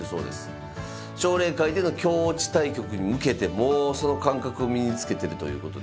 奨励会での香落ち対局に向けてもうその感覚を身につけてるということで。